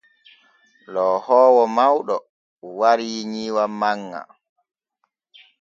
Loohoowo mawɗo warii nyiiwa manŋa.